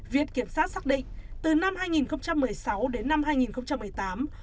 viện kiểm sát xác định từ năm hai nghìn một mươi sáu đến năm hai nghìn một mươi tám